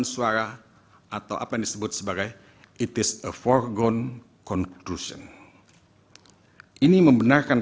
suara atau apa yang disebut sebagai it is for gon conclusion ini membenarkan